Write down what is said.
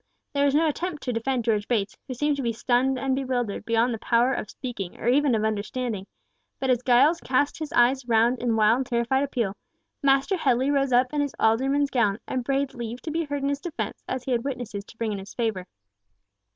There was no attempt to defend George Bates, who seemed to be stunned and bewildered beyond the power of speaking or even of understanding, but as Giles cast his eyes round in wild, terrified appeal, Master Headley rose up in his alderman's gown, and prayed leave to be heard in his defence, as he had witnesses to bring in his favour.